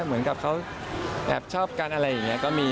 เหมือนกับเขาแอบชอบกันอะไรอย่างนี้ก็มี